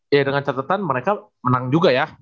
ya dengan catatan mereka menang juga ya